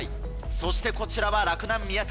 そしてこちらは洛南宮武。